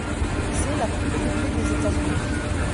C'est la la plus peuplée des États-Unis.